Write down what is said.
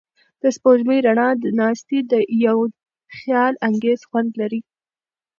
د سپوږمۍ رڼا ته ناستې یو خیالانګیز خوند لري.